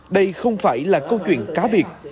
đây không phải là câu chuyện cá biệt